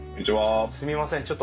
すみません